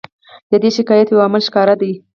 د دې شکایت یو عامل ښکاره دی.